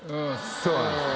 そうなんですか。